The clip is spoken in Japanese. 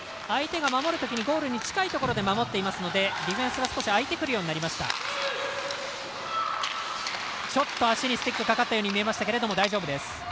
相手が守るときにゴールに近いところで守っていますのでディフェンスが少し空いてくるようになりました。